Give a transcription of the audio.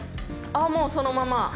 ああもうそのまま？